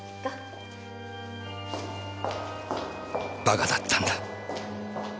バカだったんだ。